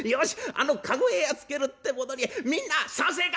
あの駕籠屋やっつけるってことにみんな賛成か？」。